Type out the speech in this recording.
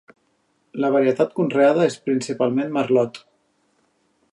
La varietat conreada és principalment merlot.